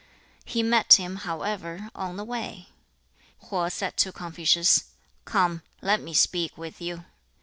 He met him, however, on the way. 2. Ho said to Confucius, 'Come, let me speak with you.'